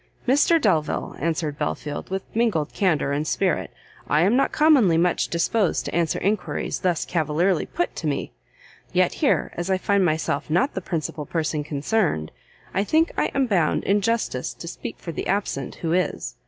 "Mr Delvile," answered Belfield, with mingled candour and spirit, "I am not commonly much disposed to answer enquiries thus cavalierly put to me; yet here, as I find myself not the principal person concerned, I think I am bound in justice to speak for the absent who is.